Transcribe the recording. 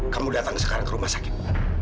kamu datang sekarang ke rumah sakit